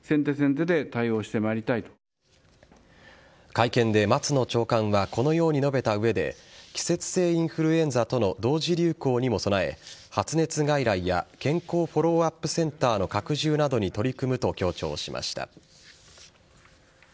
会見で松野長官はこのように述べた上で季節性インフルエンザとの同時流行にも備え発熱外来や健康フォローアップセンターの拡充などに取り組むと強調しました。